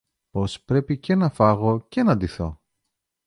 πως πρέπει και να φάγω και να ντυθώ!